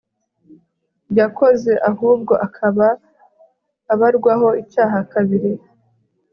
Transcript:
yakoze ahubwo akaba abarwaho icyaha kabiri